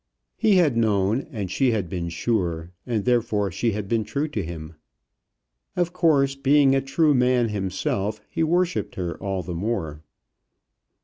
He had known, and she had been sure, and therefore she had been true to him. Of course, being a true man himself, he worshipped her all the more.